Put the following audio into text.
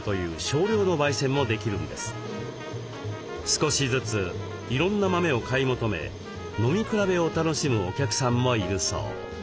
少しずついろんな豆を買い求め飲み比べを楽しむお客さんもいるそう。